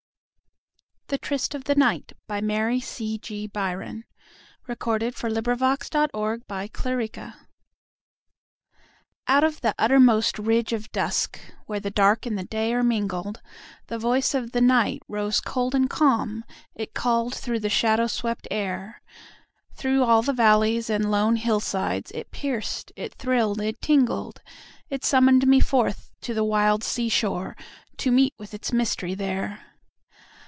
A Victorian Anthology, 1837â1895. 1895. Mary C. G. Byron b. 1861 The Tryst of the Night OUT of the uttermost ridge of dusk, where the dark and the day are mingled, The voice of the Night rose cold and calm—it called through the shadow swept air; Through all the valleys and lone hillsides, it pierced, it thrilled, it tingled—It summoned me forth to the wild seashore, to meet with its mystery there.